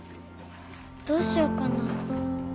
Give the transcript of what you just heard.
どうしようかな。